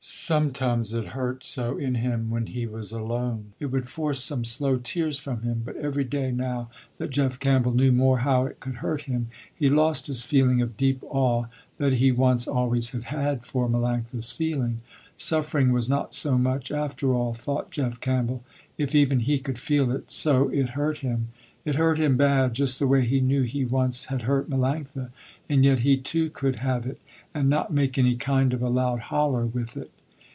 Sometimes it hurt so in him, when he was alone, it would force some slow tears from him. But every day, now that Jeff Campbell, knew more how it could hurt him, he lost his feeling of deep awe that he once always had had for Melanctha's feeling. Suffering was not so much after all, thought Jeff Campbell, if even he could feel it so it hurt him. It hurt him bad, just the way he knew he once had hurt Melanctha, and yet he too could have it and not make any kind of a loud holler with it.